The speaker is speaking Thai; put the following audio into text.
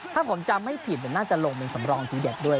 ถ้าผมจำไม่ผิดน่าจะลงเป็นสำรองทีเด็ดด้วย